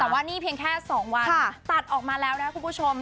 แต่ว่านี่เพียงแค่๒วันตัดออกมาแล้วนะคุณผู้ชม